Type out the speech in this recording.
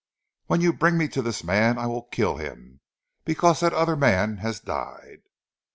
"When you bring me to this man I will kill him because that other man has died!"